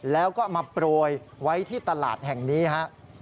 แล้วก็มาโปรยไว้ที่ตลาดแห่งนี้ฮะ